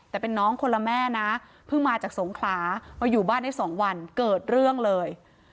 แต่เป็นน้องคนละแม่นะเพิ่งมาจากสงขลามาอยู่บ้านได้๒วันเกิดเรื่องเลย